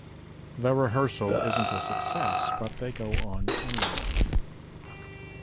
The rehearsal isn't a success, but they go on anyway.